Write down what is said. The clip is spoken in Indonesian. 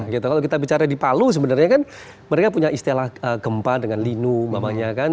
kalau kita bicara di palu sebenarnya kan mereka punya istilah gempa dengan linu namanya kan